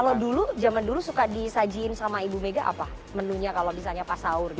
kalau dulu zaman dulu suka disajiin sama ibu mega apa menunya kalau misalnya pas sahur gitu